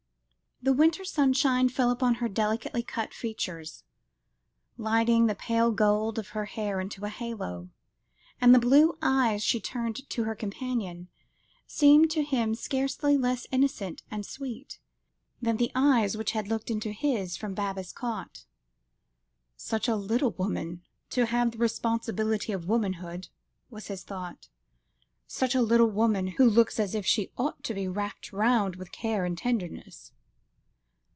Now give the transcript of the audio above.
The winter sunshine fell upon her delicately cut features, lighting the pale gold of her hair into a halo; and the blue eyes she turned to her companion, seemed to him scarcely less innocent and sweet, than the eyes which had looked into his from Baba's cot. "Such a little woman to have the responsibilities of womanhood," was his thought; "such a little woman, who looks as if she ought to be wrapped round with care and tenderness."